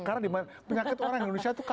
karena penyakit orang indonesia itu kagetan